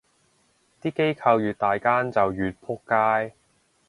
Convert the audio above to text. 啲機構越大間就越仆街